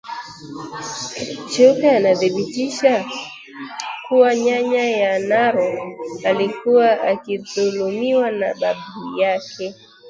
Cheupe anadhibitisha kuwa nyanya ya Nora alikuwa akidhulumiwa na babu yake